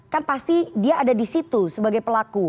kan pasti dia ada di situ sebagai pelaku